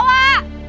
yaudah sudah nih